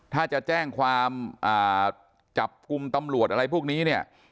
ถ้าจะแจ้งความจับกลุ่มตำรวจอะไรพวกนี้เนี่ย